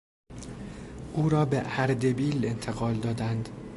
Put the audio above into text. او را به اردبیل انتقال دادند.